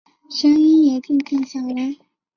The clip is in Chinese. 声音也渐渐小了